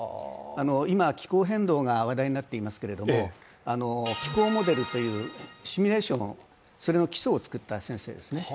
今、気候変動が話題になっていますけれども気候モデルというシミュレーションの基礎を作った先生です。